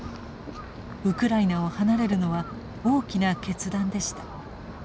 ウクライナを離れるのは大きな決断でした。